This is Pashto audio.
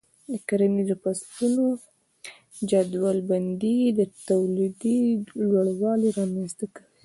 د کرنیزو فصلونو جدول بندي د تولید لوړوالی رامنځته کوي.